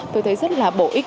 tôi thấy rất là bổ ích